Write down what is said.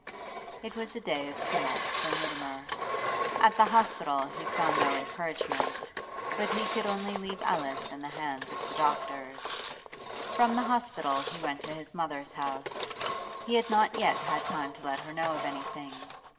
It was a day of tumult for Mutimer. At the hospital he found no encouragement, but he could only leave Alice in the hands of the doctors. From the hospital he went to his mother's house; he had not yet had time to let her know of anything.